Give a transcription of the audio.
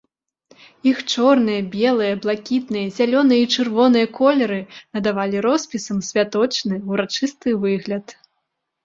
Іх чорныя, белыя, блакітныя, зялёныя і чырвоныя колеры надавалі роспісам святочны, урачысты выгляд.